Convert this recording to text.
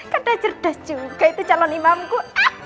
kan udah cerdas juga itu calon imamku